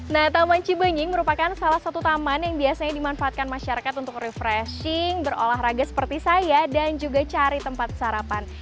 nah taman cibenying merupakan salah satu taman yang biasanya dimanfaatkan masyarakat untuk refreshing berolahraga seperti saya dan juga cari tempat sarapan